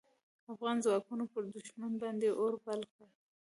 افغان ځواکونو پر دوښمن باندې اور بل کړ.